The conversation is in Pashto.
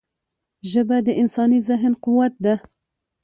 ژبه د انساني ذهن قوت ده